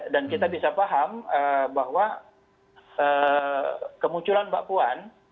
dan kita bisa paham bahwa kemunculan mbak puan